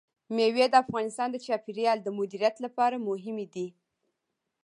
مېوې د افغانستان د چاپیریال د مدیریت لپاره مهم دي.